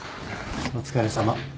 お疲れさま。